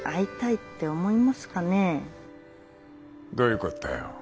どういうことだよ？